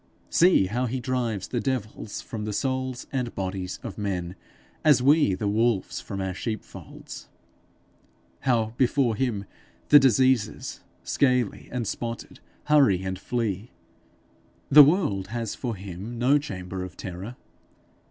See how he drives the devils from the souls and bodies of men, as we the wolves from our sheepfolds! how before him the diseases, scaly and spotted, hurry and flee! The world has for him no chamber of terror.